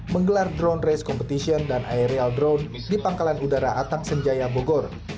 menggelar drone race competition dan aerial drone di pangkalan udara atang senjaya bogor